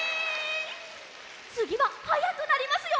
つぎははやくなりますよ！